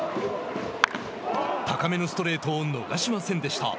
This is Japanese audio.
高めのストレートを逃しませんでした。